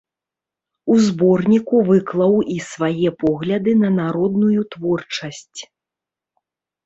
У зборніку выклаў і свае погляды на народную творчасць.